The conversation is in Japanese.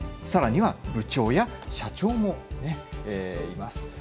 さらには部長や社長がいます。